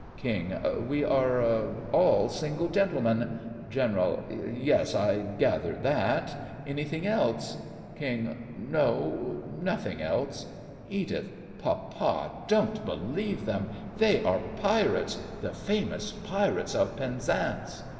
KING: We are all single gentlemen. GENERAL: Yes, I gathered that. Anything else? KING: No, nothing else. EDITH: Papa, don't believe them; they are pirates— the famous Pirates of Penzance!